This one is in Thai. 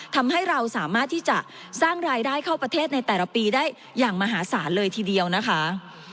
ทำให้เราสามารถที่จะสร้างรายได้เข้าประเทศในแต่ละปีได้อย่างมหาศาลเลยทีเดียวนะคะ